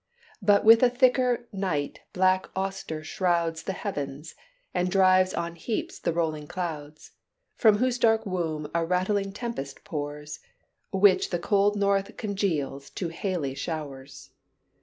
But with a thicker night black Auster shrouds The heavens, and drives on heaps the rolling clouds, From whose dark womb a rattling tempest pours, Which the cold north congeals to haily showers.